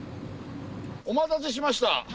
お待たせしました。